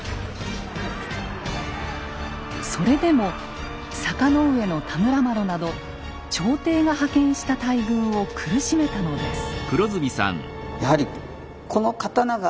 それでも坂上田村麻呂など朝廷が派遣した大軍を苦しめたのです。